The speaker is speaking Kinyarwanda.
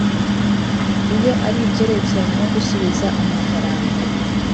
iyo ari ibyerekeranye no gusubiza amafaranga